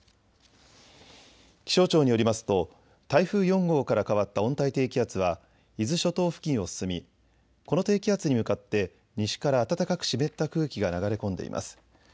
気象庁によりますと台風４号から変わった温帯低気圧は伊豆諸島付近を進み、この低気圧に向かって西から暖かく湿った空気が流れ込んでいます。